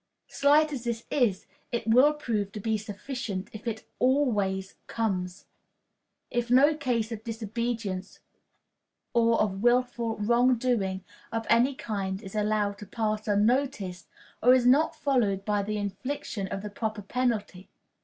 Slight as this is, it will prove to be sufficient if it always comes if no case of disobedience or of willful wrong doing of any kind is allowed to pass unnoticed, or is not followed by the infliction of the proper penalty.